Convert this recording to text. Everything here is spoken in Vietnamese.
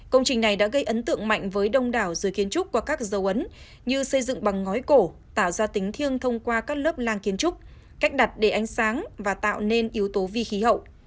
công trình này đã gây ấn tượng mạnh với đông đảo giới kiến trúc qua các dấu ấn như xây dựng bằng ngói cổ tạo ra tính thiêng thông qua các lớp lang kiến trúc cách đặt để ánh sáng và tạo nên yếu tố vi khí hậu